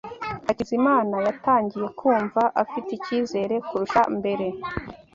Hakizimana yatangiye kumva afite icyizere kurusha mbere.